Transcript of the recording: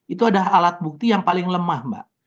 itu adalah alat bukti yang paling lemah mbak